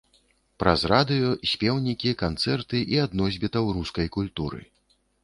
Праз радыё, спеўнікі, канцэрты і ад носьбітаў рускай культуры.